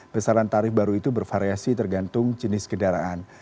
besaran tarif baru itu bervariasi tergantung jenis kendaraan